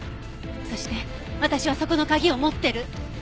そして私はそこの鍵を持ってる。